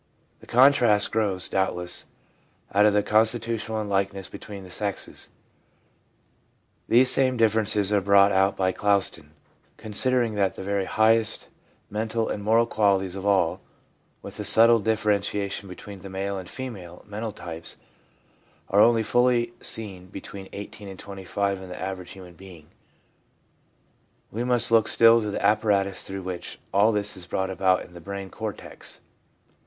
The contrast grows, doubtless, out of the constitutional unlikenesses between the sexes. These same differences are brought out by Clouston :' Considering that the very highest mental and moral qualities of all, with the subtle differ entiation between the male and female mental types, are only fully seen between 18 and 25 in the average human being, we must look still to the apparatus through which all this is brought about in the brain cortex.